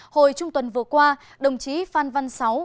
hồi trung tuần vừa qua đồng chí phan văn sáu